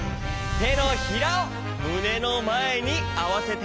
てのひらをむねのまえにあわせて。